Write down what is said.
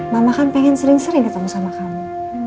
mama kan pengen sering sering ketemu sama kamu